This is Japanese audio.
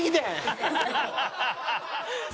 ハハハハ！